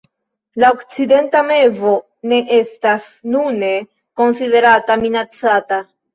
La Okcidenta mevo ne estas nune konsiderata minacata.